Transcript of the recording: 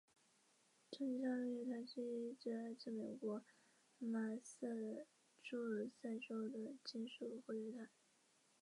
圣儒利安堂是意大利北部城市里米尼一座文艺复兴风格的罗马天主教教堂。